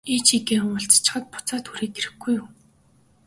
Ээжтэйгээ уулзчихаад буцаад хүрээд ирэхгүй юу?